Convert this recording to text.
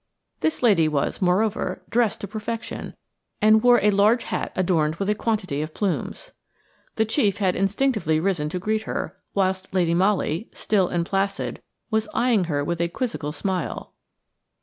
This lady was, moreover, dressed to perfection, and wore a large hat adorned with a quantity of plumes. The chief had instinctively risen to greet her, whilst Lady Molly, still and placid, was eyeing her with a quizzical smile.